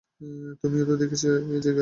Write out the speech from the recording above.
তুমিও তো দেখছি জেগে আছ?